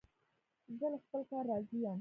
زه له خپل کار راضي یم.